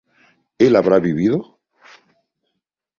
¿él habrá vivido?